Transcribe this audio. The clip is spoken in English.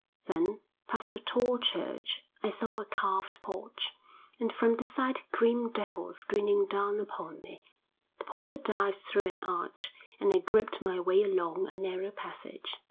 Then past a tall church: I saw a carved porch, and from the side grim devils grinning down upon me; the porter dived through an arch, and I groped my way along a narrow passage.